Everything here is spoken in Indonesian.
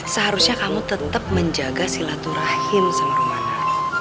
seharusnya kamu tetap menjaga silaturahim sama rumah